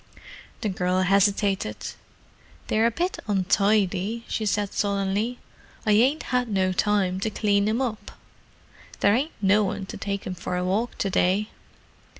The girl hesitated. "They're a bit untidy," she said sullenly. "I ain't had no time to clean 'em up. There ain't no one to take them for a walk to day."